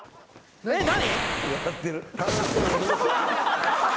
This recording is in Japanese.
えっ何？